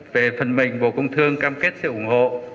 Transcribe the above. về phần mình bộ công thương cam kết sẽ ủng hộ